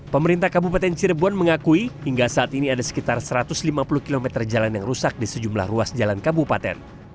pemerintah kabupaten cirebon mengakui hingga saat ini ada sekitar satu ratus lima puluh km jalan yang rusak di sejumlah ruas jalan kabupaten